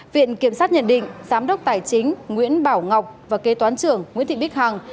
viện kiểm sát nhận định giám đốc tài chính nguyễn bảo ngọc và kế toán trưởng nguyễn thị bích hằng